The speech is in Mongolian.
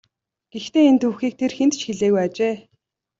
Гэхдээ энэ түүхийг тэр хэнд ч хэлээгүй ажээ.